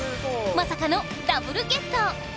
まさかのダブルＧＥＴ！